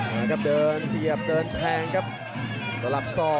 เนี่ยครับเดินเสียบเดินแพงครับ